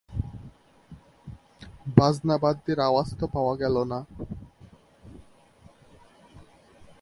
বাজনাবাদ্যির আওয়াজ তো পাওয়া গেল না।